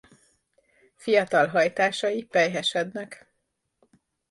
Fiatal hajtásai pelyhesednek.